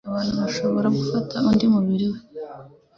Abantu bashobora gufatauabi umubu'i we,